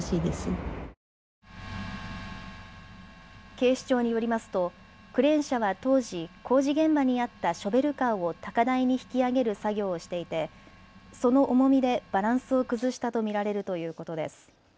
警視庁によりますとクレーン車は当時、工事現場にあったショベルカーを高台に引き上げる作業をしていてその重みでバランスを崩したと見られるということです。